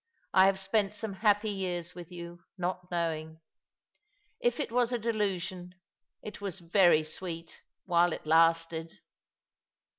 I have spent some happy years with yon — not knowing. If it was a delnsion, it was very sweet — while it lasted."